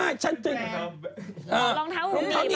ตาเข็มทิศคืออะไร